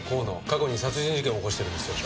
過去に殺人事件を起こしてるんですよ。